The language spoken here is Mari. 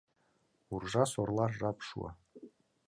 Уржа-сорла жап шуо.